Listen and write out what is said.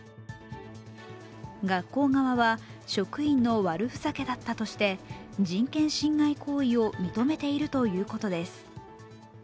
学校側は、職員の悪ふざけだったとして人権侵害行為を認めているということです。